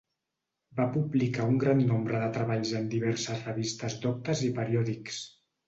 Va publicar un gran nombre de treballs en diverses revistes doctes i periòdics.